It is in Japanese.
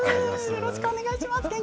よろしくお願いします。